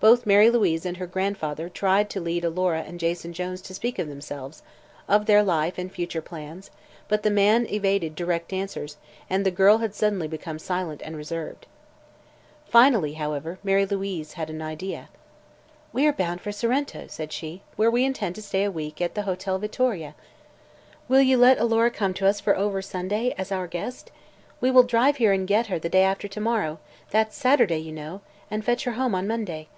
Both Mary Louise and her grandfather tried to lead Alora and Jason Jones to speak of themselves of their life and future plans but the man evaded direct answers and the girl had suddenly become silent and reserved. Finally, however, Mary Louise had an idea. "We are bound for Sorrento," said she, "where we intend to stay a week at the Hotel Vittoria. Will you let Alora come to us for ever Sunday, as our guest? We will drive here and get her the day after to morrow that's Saturday, you know and fetch her home on Monday."